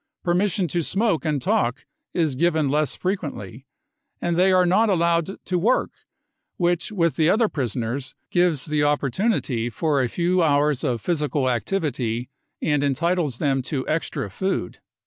Permission to smoke and talk is given less frequently ; and they are not allowed to work, which with the other prisoners gives the opportunity for a few hours of physical activity and entitles them to extra food.